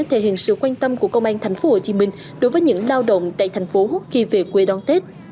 thể hiện sự quan tâm của công an tp hcm đối với những lao động tại thành phố khi về quê đón tết